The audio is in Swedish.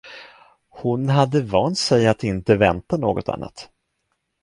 Hon hade vant sig att inte vänta något annat.